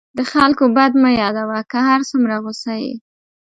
د خلکو بد مه یادوه، که هر څومره غصه یې.